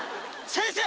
先生！